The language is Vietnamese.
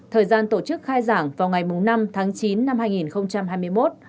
thời gian tổ chức khai giảng vào ngày năm tháng chín năm hai nghìn hai mươi một